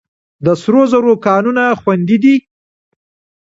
د سرو زرو کانونه خوندي دي؟